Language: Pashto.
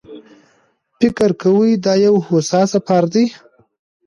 فکر کوي دا یو هوسا سفر دی.